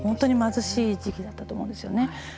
本当に貧しい時期だったと思うんですよね。